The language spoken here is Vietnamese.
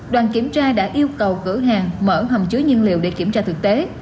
đoàn kiểm tra đã yêu cầu cửa hàng mở hầm chứa nhiên liệu để kiểm tra thực tế